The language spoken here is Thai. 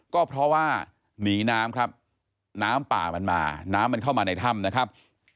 ก็เพราะว่าหนีน้ำครับน้ำป่ามันมาน้ำมันเข้ามาในถ้ำนะครับ